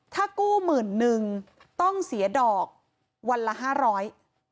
ถ้ากู้หมื่นนึงต้องเสียดอกวันละห้าร้อย